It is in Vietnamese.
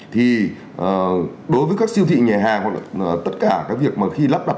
thì đối với các siêu thị nhà hàng hoặc là tất cả cái việc mà khi lắp đặt